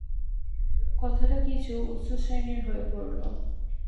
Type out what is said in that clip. কথাটা কিছু উচ্চশ্রেণীর হয়ে পড়ল।